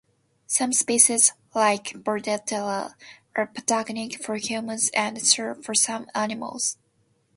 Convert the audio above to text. Some species, like "Bordetella", are pathogenic for humans and for some animals.